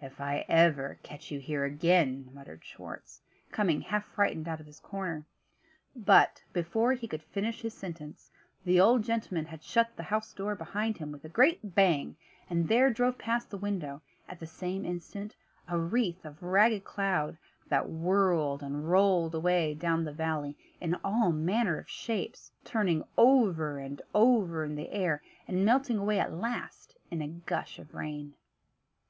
"If ever I catch you here again," muttered Schwartz, coming half frightened out of his corner but, before he could finish his sentence, the old gentleman had shut the house door behind him with a great bang: and there drove past the window, at the same instant, a wreath of ragged cloud, that whirled and rolled away down the valley in all manner of shapes; turning over and over in the air, and melting away at last in a gush of rain.